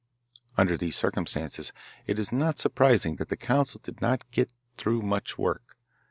Under these circumstances it is not surprising that the Council did not get through much work.